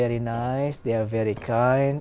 hoặc là vừa qua